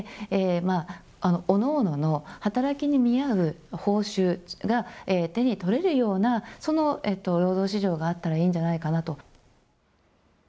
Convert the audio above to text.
こういったことをやることによって、おのおのの働きに見合う報酬が手に取れるような、その労働市場があったらいいんじゃないかなと。